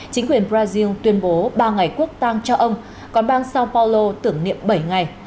chính quyền brazil tuyên bố ba ngày quốc tang cho ông còn bang sao paulo tưởng niệm bảy ngày